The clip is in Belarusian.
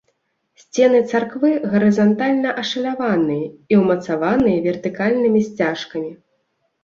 Сцены царквы гарызантальна ашаляваныя і ўмацаваныя вертыкальнымі сцяжкамі.